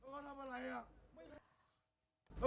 เขาทำอะไรล่ะ